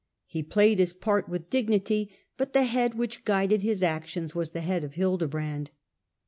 He played his part with dignity, but the head which guided his actions was the head of Hilde brand.